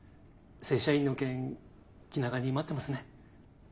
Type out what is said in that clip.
正社員の件気長に待ってますね。